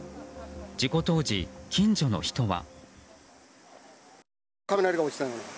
事故当時、近所の人は。